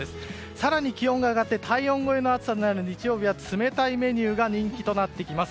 更に気温が上がって体温超えの暑さになる日曜日は冷たいメニューが人気となってきます。